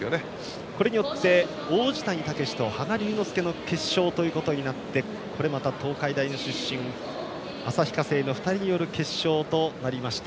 これによって王子谷剛志と羽賀龍之介の決勝ということになってこれまた東海大出身旭化成の２人による決勝となりました。